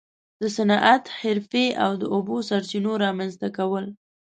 د صنعت، حرفې او د اوبو سرچینو رامنځته کول.